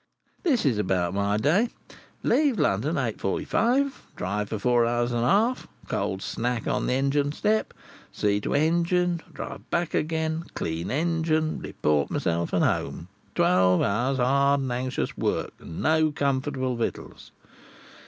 This is about my day:—Leave London at 8.45; drive for four hours and a half; cold snack on the engine step; see to engine; drive back again; clean engine; report myself; and home. Twelve hours' hard and anxious work, and no comfortable victuals.